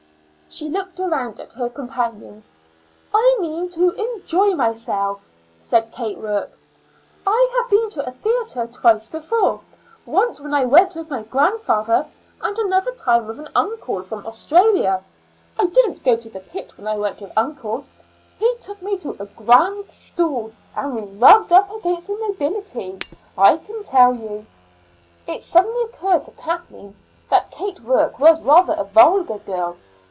She looked round at her companions. "I mean to enjoy myself," said Kate Rourke. "I have been to a theater twice before. Once I went with my grandfather, and another time with an uncle from Australia. I didn't go to the pit when I went with uncle. He took me to a grand stall, and we rubbed up against the nobility, I can tell you." It suddenly occurred to Kathleen that Kate Rourke was rather a vulgar girl.